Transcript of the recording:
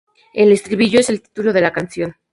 El estribillo es el título de la canción.